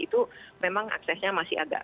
itu memang aksesnya masih agak